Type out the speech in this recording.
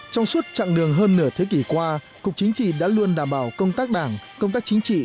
trong suốt chặng đường hơn nửa thế kỷ qua cục chính trị đã luôn đảm bảo công tác đảng công tác chính trị